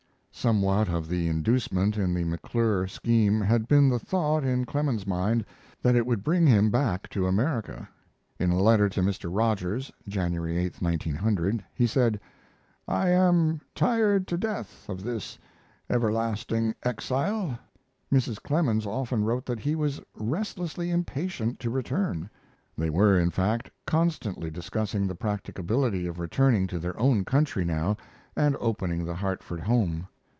Somewhat of the inducement in the McClure scheme had been the thought in Clemens's mind that it would bring him back to America. In a letter to Mr. Rogers (January 8, 1900) he said, "I am tired to death of this everlasting exile." Mrs. Clemens often wrote that he was restlessly impatient to return. They were, in fact, constantly discussing the practicability of returning to their own country now and opening the Hartford home.